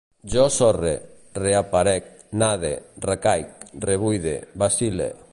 Jo sorre, reaparec, nade, recaic, rebuide, vacil·le